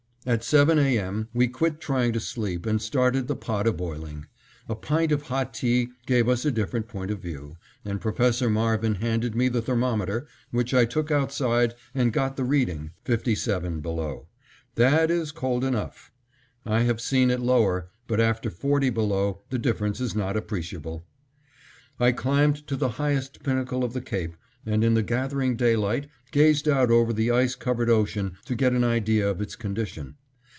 At seven A. M. we quit trying to sleep and started the pot a boiling. A pint of hot tea gave us a different point of view, and Professor Marvin handed me the thermometer, which I took outside and got the reading; 57° below; that is cold enough. I have seen it lower, but after forty below the difference is not appreciable. I climbed to the highest pinnacle of the cape and in the gathering daylight gazed out over the ice covered ocean to get an idea of its condition.